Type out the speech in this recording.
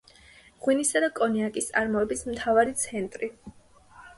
ღვინისა და კონიაკის წარმოების მთავარი ცენტრი.